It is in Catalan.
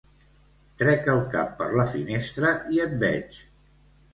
Trec el cap per la finestra i et veig.